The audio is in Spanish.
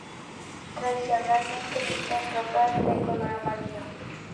Tradicionalmente viste en ropas de color amarillo.